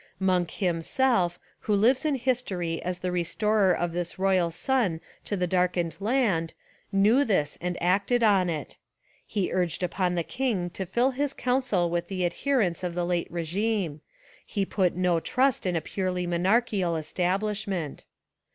Monk himself, who lives in history as 283 Essays and Literary Studies the restorer of the royal sun to the darkened land, knew this and acted on it. He urged upon the king to fill his council with the adher ents of the late regime: he put no trust in a purely monarchical establishment.